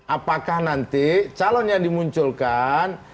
apakah nanti calon yang dimunculkan